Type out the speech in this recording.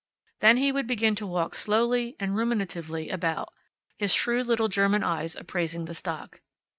Then he would begin to walk slowly and ruminatively about, his shrewd little German eyes appraising the stock.